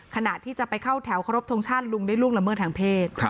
ขณะที่จะไปเข้าแถวเคารพทงชาติลุงได้ล่วงละเมิดทางเพศ